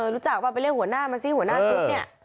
รู้จักว่าไปเรียกหัวหน้ามาสิหัวหน้าชุดเนี่ย